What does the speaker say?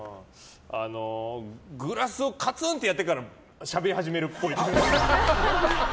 グラス、カツンってやってからしゃべり始めるっぽい。